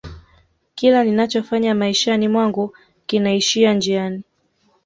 kila ninachofanya maishani mwangu kinaishia njiani